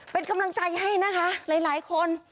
เป็นกำลังใจให้นะคะหลายคน